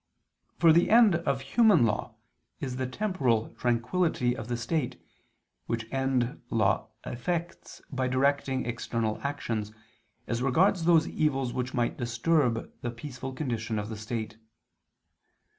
For the end of human law is the temporal tranquillity of the state, which end law effects by directing external actions, as regards those evils which might disturb the peaceful condition of the state.